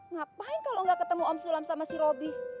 ngapain kalau gak ketemu om sulam sama si roby